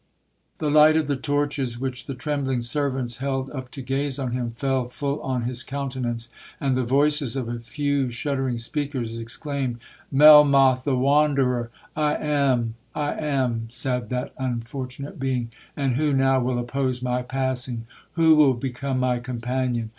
'The light of the torches, which the trembling servants held up to gaze on him, fell full on his countenance, and the voices of a few shuddering speakers exclaimed, 'MELMOTH THE WANDERER!'—'I am—I am!' said that unfortunate being—'and who now will oppose my passing—who will become my companion?